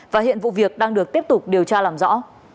và hiện vụ việc đang được tiếp tục điều tra làm rõ